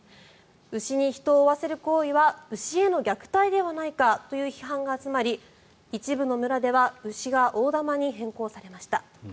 牛に人を追わせる行為は牛への虐待ではないかという批判が集まり一部の村では牛が大玉に変更されました。